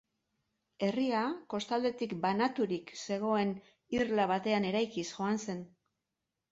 Herria kostaldetik banaturik zegoen irla batean eraikiz joan zen.